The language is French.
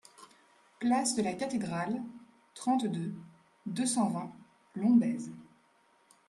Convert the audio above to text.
Place de la Cathédrale, trente-deux, deux cent vingt Lombez